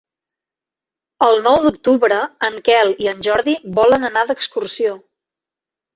El nou d'octubre en Quel i en Jordi volen anar d'excursió.